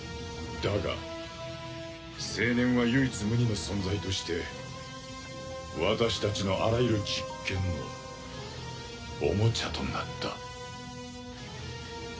だが青年は唯一無二の存在として私たちのあらゆる実験のおもちゃとなった。